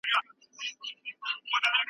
يو چا خوړلی يم خو شونډو کې يې جام نه کړم